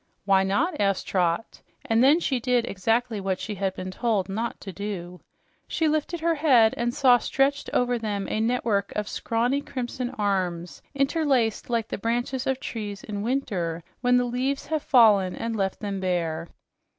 "Why not?" asked Trot, and then she did exactly what she had been told not to do. She lifted her head and saw stretched over them a network of scrawny, crimson arms interlaced like the branches of trees in winter when the leaves have fallen and left them bare.